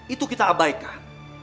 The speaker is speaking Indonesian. itu kita abaikan